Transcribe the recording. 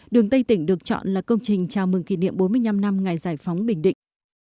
đường tây tỉnh được chọn là công trình chào mừng kỷ niệm bốn mươi năm năm ngày giải phóng bình định